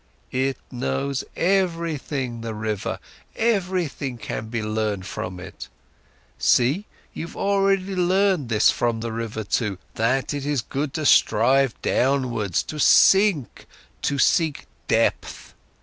It knows everything, the river, everything can be learned from it. See, you've already learned this from the water too, that it is good to strive downwards, to sink, to seek depth.